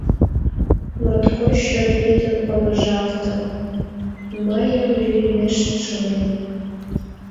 Моткоч чот лӱдын помыжалтым, мыйым лӱйынешт, шонем.